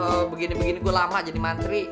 wah begini begini gue lama jadi mantri